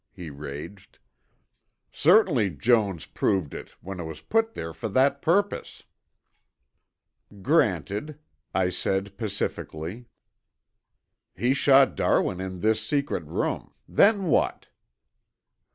he raged. "Certainly Jones proved it when it was put there for that purpose!" "Granted," I said pacifically. "He shot Darwin in this secret room. Then what?"